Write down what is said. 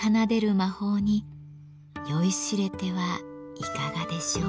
魔法に酔いしれてはいかがでしょう？